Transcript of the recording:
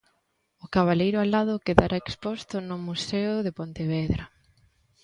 O cabaleiro alado quedará exposto no Museo de Pontevedra.